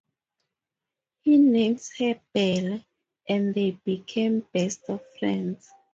He names her Belle and they become the best of friends.